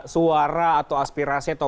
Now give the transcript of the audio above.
suara atau aspirasi atau